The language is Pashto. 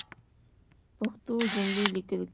پښتو جملی لیکل